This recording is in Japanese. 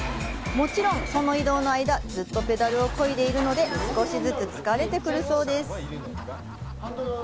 もちろん、その移動の間ずっとペダルをこいでいるので少しずつ疲れてくるそうです。